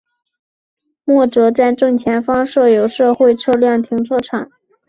默泽站正前方设有社会车辆停车场。